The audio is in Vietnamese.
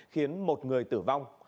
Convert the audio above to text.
khiến một người tử vong